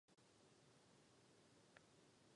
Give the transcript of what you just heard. Ale to odbíhám od tématu.